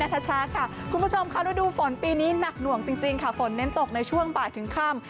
นาซาโชว์ค่ะคุณผู้ชมของร้อยดูฝนปีนี้หนักหน่วงจริงค่ะผลเน้นตกในช่วงบาดถึงข้าม